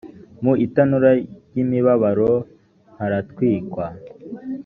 mu itanura ry imibabaro haratwikwa